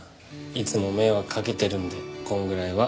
いつも迷惑かけてるんでこれぐらいは。